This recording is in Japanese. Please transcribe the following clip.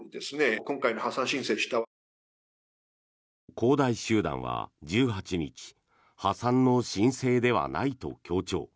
恒大集団は１８日破産の申請ではないと強調。